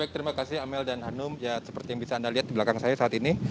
baik terima kasih amel dan hanum ya seperti yang bisa anda lihat di belakang saya saat ini